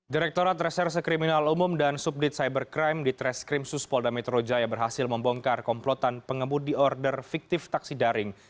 direkturat reserse kriminal umum dan subdit cybercrime di treskrim suspolda metro jaya berhasil membongkar komplotan pengemudi order fiktif taksi daring